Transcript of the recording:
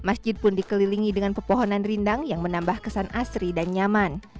masjid pun dikelilingi dengan pepohonan rindang yang menambah kesan asri dan nyaman